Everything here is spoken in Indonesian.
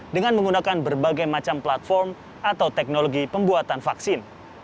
dengan menggunakan berbagai macam platform atau teknologi pembuatan vaksin